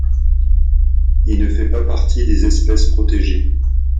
Il ne fait pas partie des espèces protégées.